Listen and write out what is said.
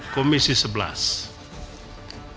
komisi selepas ini